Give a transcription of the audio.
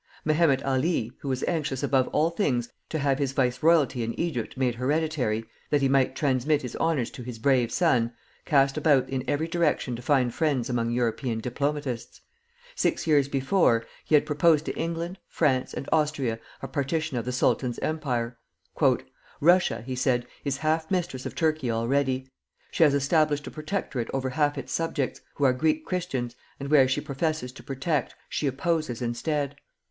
Mehemet Ali, who was anxious above all things to have his viceroyalty in Egypt made hereditary, that he might transmit his honors to his brave son, cast about in every direction to find friends among European diplomatists. Six years before, he had proposed to England, France, and Austria a partition of the sultan's empire. "Russia," he said, "is half mistress of Turkey already. She has established a protectorate over half its subjects, who are Greek Christians, and where she professes to protect, she oppresses instead.